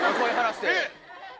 えっ！